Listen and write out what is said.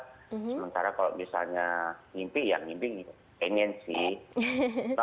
sementara kalau misalnya mimpi ya mimpi pengen sih